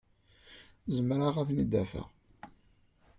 Zemreɣ ad ten-id-afeɣ.